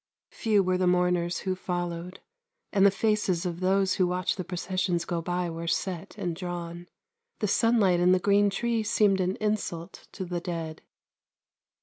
Few were the mourners that followed, and the faces of those who watched the processions go by were set and drawn. The sunlight and the green trees seemed an insult to the dead.